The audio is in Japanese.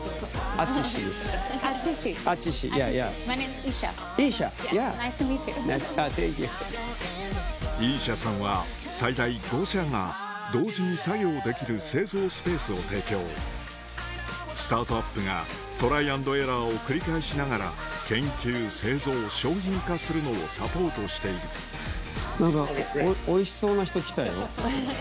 Ｎｉｃｅｔｏｍｅｅｔｙｏｕ．イーシャさんは最大５社が同時に作業できる製造スペースを提供スタートアップがトライアンドエラーを繰り返しながら研究製造商品化するのをサポートしている何かおいしそうな人来たよ。